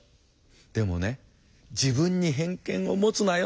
でもね自分に偏見を持つなよ」